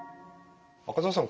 赤澤さん